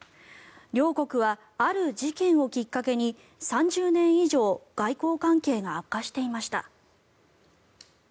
両国はある事件をきっかけに３０年以上外交関係が悪化していました。